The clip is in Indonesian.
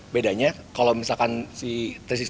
bedanya kalau misalkan si tiga ratus enam puluh